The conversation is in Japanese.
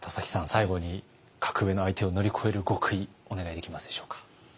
最後に格上の相手を乗り越える極意お願いできますでしょうか。